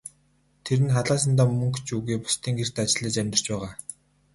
Тэр нь халаасандаа мөнгө ч үгүй, бусдын гэрт ажиллаж амьдарч байгаа.